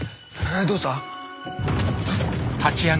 どうした？